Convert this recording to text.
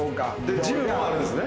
ジムがあるんですね。